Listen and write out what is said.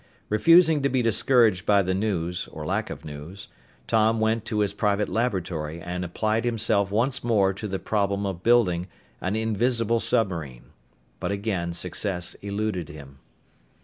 Refusing to be discouraged by the news, or lack of news, Tom went to his private laboratory and applied himself once again to the problem of building an "invisible" submarine. But again success eluded him.